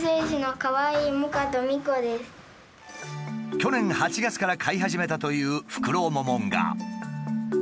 去年８月から飼い始めたというフクロモモンガ。